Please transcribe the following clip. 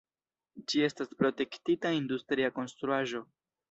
Ĝi estas protektita industria konstruaĵo.